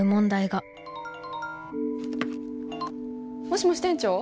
もしもし店長？